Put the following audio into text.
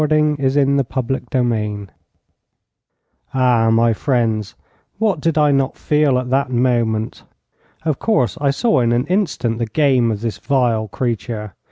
A prisoner is escaping!' Ah, my friends, what did I not feel at that moment! Of course, I saw in an instant the game of this vile creature.